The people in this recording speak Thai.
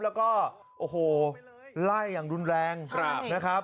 แล้วก็โอ้โหไล่อย่างรุนแรงนะครับ